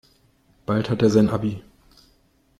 Bald hat er sein Abi.